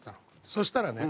そしたらね